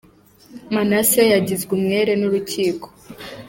Manase yagizwe umwere n’Urukiko